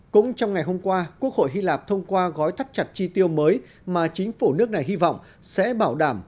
cũng trong ngày hôm qua quốc hội hy lạp thông qua gói thắt chặt chi tiêu mới mà chính phủ nước này hy vọng sẽ bảo đảm